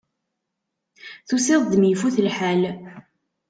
Tusiḍ-d mi ifut lḥal.